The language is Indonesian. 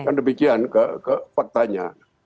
kan demikian ke faktanya